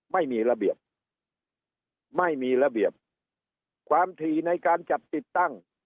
ไม่มีระเบียบไม่มีระเบียบความถี่ในการจัดติดตั้ง